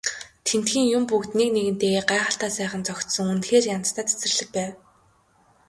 Тэндхийн юм бүгд нэг нэгэнтэйгээ гайхалтай сайхан зохицсон үнэхээр янзтай цэцэрлэг байв.